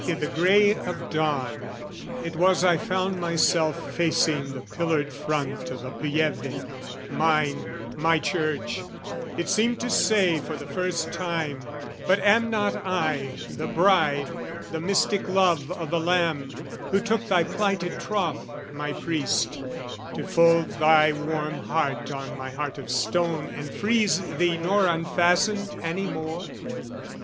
I' the grey of dawn it was I found myself Facing the pillared front o' the Pieve mine, My church: it seemed to say for the first time "But am not I the Bride, the mystic love "O' the Lamb, who took thy plighted troth, my priest, "To fold thy warm heart on my heart of stone "And freeze thee nor unfasten any more?